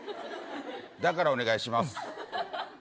だからお願いします。